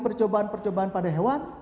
percobaan percobaan pada hewan